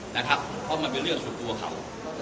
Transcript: นะครับเพราะมันเป็นเรื่องสุดกลัวเขา